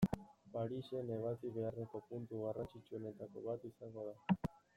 Parisen ebatzi beharreko puntu garrantzitsuenetako bat izango da.